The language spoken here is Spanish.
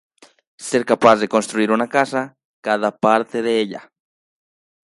Ser capaz de construir una casa, cada parte de ella.